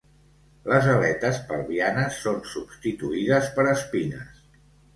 Les aletes pelvianes són substituïdes per espines.